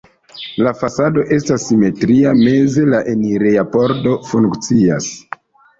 La fasado estas simetria, meze la enireja pordo funkcias.